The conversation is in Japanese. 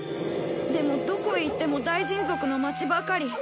でもどこへ行っても大人族の町ばかり。